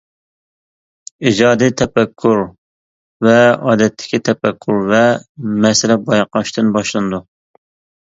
ئىجادىي تەپەككۇر ۋە ئادەتتىكى تەپەككۇر ۋە مەسىلە بايقاشتىن باشلىنىدۇ.